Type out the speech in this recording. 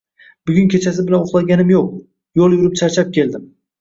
Bugun kechasi bilan uxlaganim yo‘q, yo‘l yurib charchab keldim